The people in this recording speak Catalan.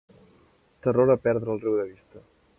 Terror a perdre el riu de vista.